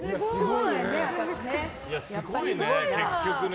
いや、すごいね、結局ね。